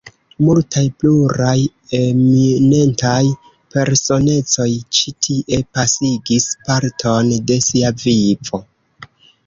Multaj pluraj eminentaj personecoj ĉi tie pasigis parton de sia vivo.